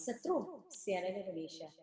seterusnya sian dan indonesia